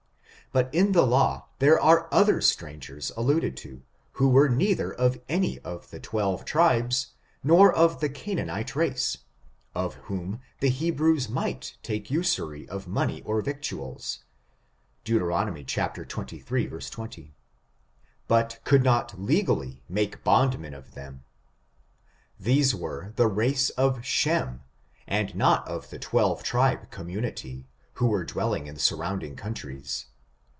But in the law there are other strangers alluded to, who were neither of any of the twelve tribes, nor of the Canaanite race, of whom the Hebrews miffht take usury of money or victuals (Deut. xxiii, 20), but could not legally make bond men of them. These were the race of Shem, and not of the twelve tribe community, who were dwelling in the surround ing countries.